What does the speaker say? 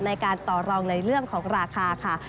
ในการต่อรองในเรื่องของราคาค่ะ